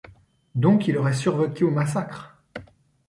Donc il aurait survécu au massacre ?